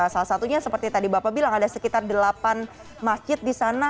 salah satunya seperti tadi bapak bilang ada sekitar delapan masjid di sana